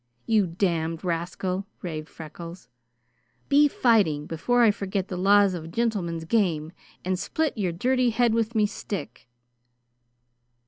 You damned rascal," raved Freckles, "be fighting before I forget the laws of a gintlemin's game and split your dirty head with me stick!"